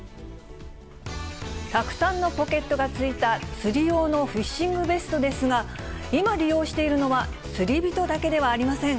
たくさんのポケットがついた釣り用のフィッシングベストですが、今利用しているのは釣り人だけではありません。